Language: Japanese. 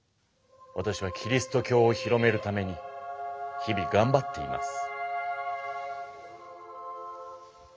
わたしはキリスト教を広めるために日々がんばっています。